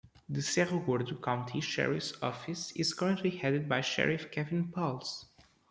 The Cerro Gordo County Sheriff's Office is currently headed by Sheriff Kevin Pals.